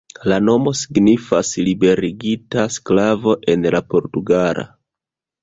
La nomo signifas "liberigita sklavo" en la portugala.